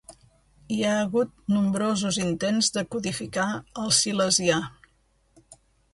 Hi ha hagut nombrosos intents de codificar el silesià.